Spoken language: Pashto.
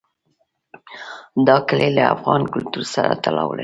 دا کلي له افغان کلتور سره تړاو لري.